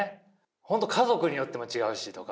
本当家族によっても違うしとか。